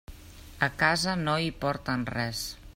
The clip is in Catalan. A casa no hi porten res.